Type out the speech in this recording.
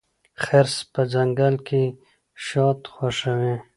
خرس په ځنګل کې شات خوښوي.